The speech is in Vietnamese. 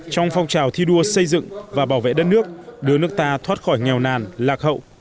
trong phong trào thi đua xây dựng và bảo vệ đất nước đưa nước ta thoát khỏi nghèo nàn lạc hậu